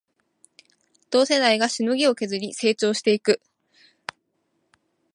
同世代がしのぎを削り成長していく